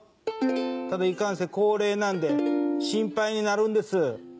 ただ、いかんせん、高齢なんで、心配になるんです。